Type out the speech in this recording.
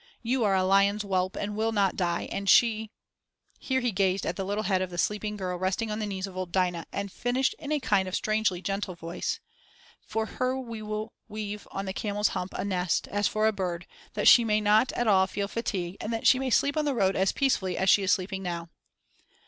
you are a lion's whelp and will not die and she " Here he gazed at the little head of the sleeping girl resting on the knees of old Dinah and finished in a kind of strangely gentle voice: "For her we will weave on the camel's hump a nest, as for a bird, that she may not at all feel fatigue and that she may sleep on the road as peacefully as she is sleeping now."